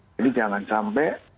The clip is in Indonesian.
jadi jangan sampai